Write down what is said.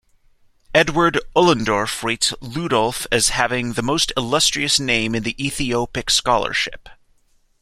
Edward Ullendorff rates Ludolf as having "the most illustrious name in Ethiopic scholarship".